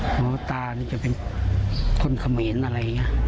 เพราะว่าตานี่จะเป็นคนเขมรอะไรอย่างนี้